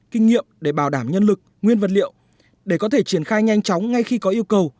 kinh nghiệm để bảo đảm nhân lực nguyên vật liệu để có thể triển khai nhanh chóng ngay khi có yêu cầu